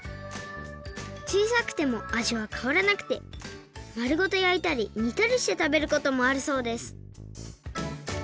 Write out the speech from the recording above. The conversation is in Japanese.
ちいさくてもあじはかわらなくてまるごとやいたりにたりしてたべることもあるそうです